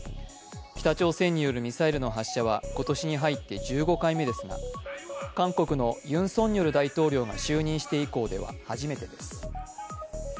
北朝鮮によるミサイル発射は今年に入って１５回目ですが韓国のユン・ソンニョル大統領が就任して以降では初めてです。